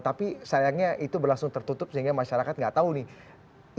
tapi sayangnya itu berlangsung tertutup sehingga masyarakat nggak tahu nih